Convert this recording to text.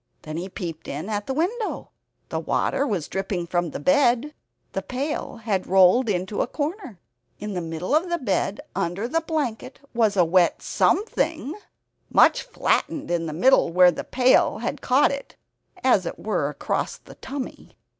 Then he peeped in at the window. The water was dripping from the bed, the pail had rolled into a corner. In the middle of the bed, under the blanket, was a wet SOMETHING much flattened in the middle, where the pail had caught it (as it were across the tummy).